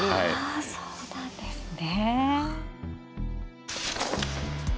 そうなんですね。